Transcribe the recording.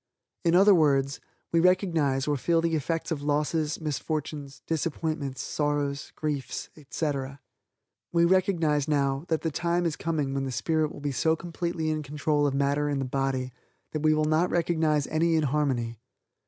In other words, we recognize, or feel the effects of losses, misfortunes, disappointments, sorrows, griefs, etc. We recognize now, that the time is coming when the spirit will be so completely in control of matter in the body, that we will not recognize any inharmony.